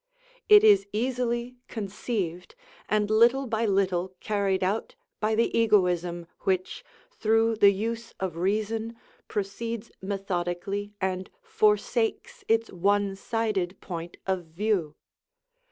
It is easily conceived, and little by little carried out by the egoism, which, through the use of reason, proceeds methodically and forsakes its one sided point of view.